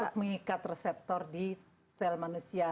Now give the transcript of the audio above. untuk mengikat reseptor di sel manusia